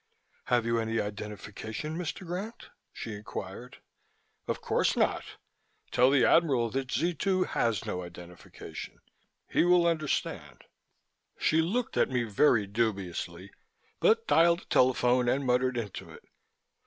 "Have you any identification, Mr. Grant?" she inquired. "Of course not. Tell the Admiral that Z 2 has no identification. He will understand." She looked at me very dubiously but dialed a telephone and muttered into it.